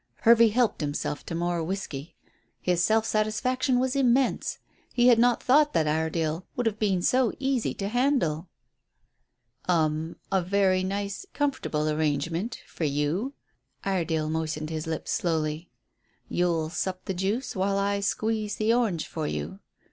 Hervey helped himself to more whisky. His self satisfaction was immense. He had not thought that Iredale would have been so easy to handle. "Um. A very nice, comfortable arrangement for you." Iredale moistened his lips slowly. "You'll sup the juice while I squeeze the orange for you.